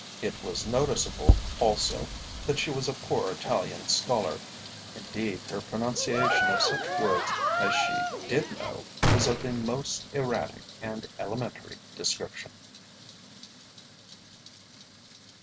It was noticeable also that she was a poor Italian scholar. Indeed, her pronunciation of such words as she did know was of the most erratic and elementary description.